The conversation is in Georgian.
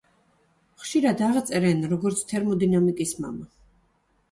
ხშირად აღწერენ როგორც „თერმოდინამიკის მამა“.